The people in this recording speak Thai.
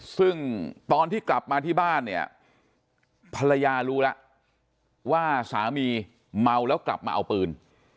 ซึ่งตอนที่กลับมาที่บ้านเนี่ยภรรยารู้แล้วว่าสามีเมาแล้วกลับมาเอาปืน